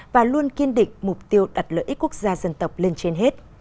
và luôn kiên định mục tiêu đặt lợi ích quốc gia dân tộc lên trên hết